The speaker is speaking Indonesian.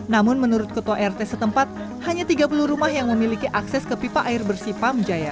namun menurut ketua rt setempat hanya tiga puluh rumah yang memiliki akses ke pipa air bersih pam jaya